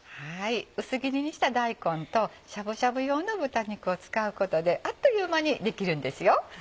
薄切りにした大根としゃぶしゃぶ用の豚肉を使うことであっという間にできるんですよ。